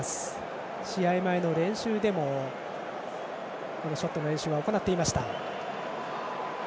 試合前の練習でもショットの練習は行っていました。